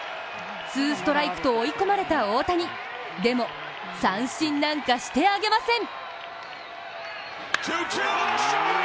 ツーストライクと追い込まれた大谷でも、三振なんかしてあげません。